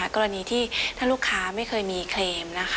กรณีที่ถ้าลูกค้าไม่เคยมีเคลมนะคะ